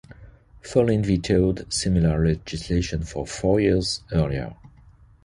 Fallin vetoed similar legislation four years earlier.